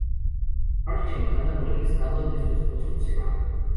Marge, enojada por el estado de su esposo, se va.